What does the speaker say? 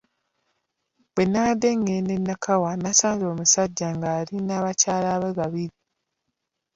Bwe nabadde ngenda e Nakawa nasanze omusajja ng'ali n'abakyala be babiri.